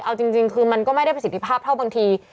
เอาจริงคือมันก็ไม่ได้ประสิทธิภาพเท่าบางที